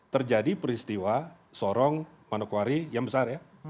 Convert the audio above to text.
terjadi peristiwa sorong manokwari yang besar ya